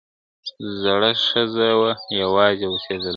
زړه ښځه وه یوازي اوسېدله !.